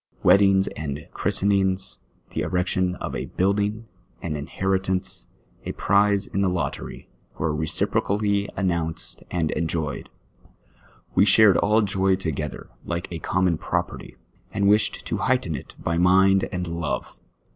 Weddings and christenings, the erection of a building, an inheritance, a prize in the lottery, were reci procally announced and enjoyed. "We shared all joy together, like a common property, and wished to heighten it by mind and love.